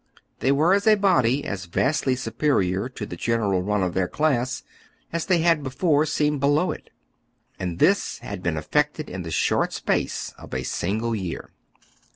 They were, as a body, as vastly superior to the general run of tlieir class as they had before seemed below it. And this had been efEected in the short space of a single year.